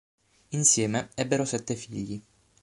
Insieme ebbero sette figli.